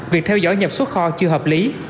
việc theo dõi nhập xuất kho chưa hợp lý